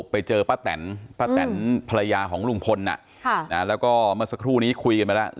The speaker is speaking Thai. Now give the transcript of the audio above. ไปเจอป้าแตนป้าแตนภรรยาของลุงพลแล้วก็เมื่อสักครู่นี้คุยกันมาแล้ว